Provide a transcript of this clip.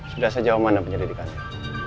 sudah sejauh mana penyelidikannya